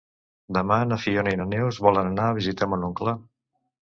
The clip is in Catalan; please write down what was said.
Demà na Fiona i na Neus volen anar a visitar mon oncle.